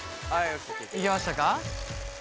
いけましたか？